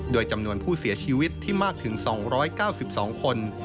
โดยจำนวนผู้เสียชีวิตที่มากถึง๒๙๒คน